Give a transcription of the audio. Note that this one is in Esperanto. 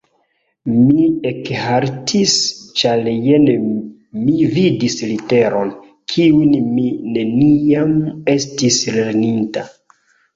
Mi ekhaltis, ĉar jen mi vidis literon, kiun mi neniam estis lerninta.